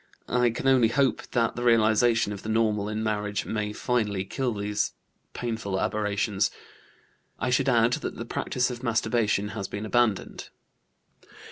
I can only hope that the realization of the normal in marriage may finally kill these painful aberrations. I should add that the practice of masturbation has been abandoned."